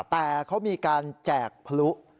แต่เขามีการแจกพลุ